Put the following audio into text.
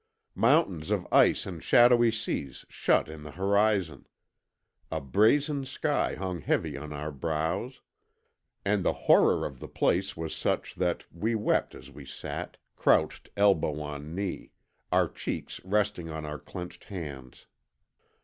"Mountains of ice and shadowy seas shut in the horizon. A brazen sky hung heavy on our brows. And the horror of the place was such that we wept as we sat, crouched elbow on knee, our cheeks resting on our clenched hands.